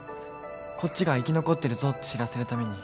こっちが生き残ってるぞって知らせるために。